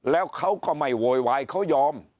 แล้วเขาก็ไม่โวยวายเขายอม